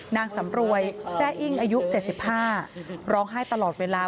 นางสำรวยแซ่อิ้งอายุ๗๕ร้องไห้ตลอดเวลา